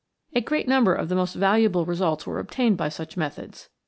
A great number of most valuable results were obtained by such methods.